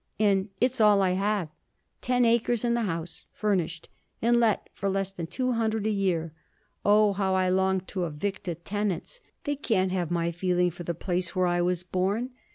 And it's all I have: ten acres and the house, furnished, and let for less than two hundred a year. Oh! how I long to evict the tenants! They can't have my feeling for the place where I was born.